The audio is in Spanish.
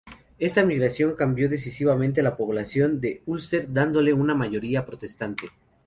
Esta migración cambió decisivamente la población de Ulster, dándole una mayoría protestante.